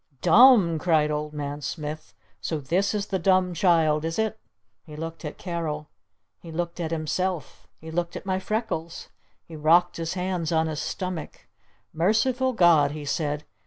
"Dumb?" cried Old Man Smith. "So this is the Dumb Child, is it?" He looked at Carol. He looked at himself. He looked at my freckles. He rocked his hands on his stomach. "Merciful God!" he said.